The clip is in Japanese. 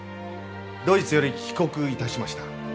ドイツより帰国いたしました。